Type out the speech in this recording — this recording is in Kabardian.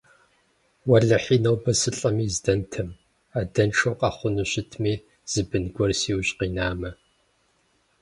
Уэлэхьи, нобэ сылӀэми здэнтэмэ, адэншэу къэхъуну щытми, зы бын гуэр си ужь къинамэ.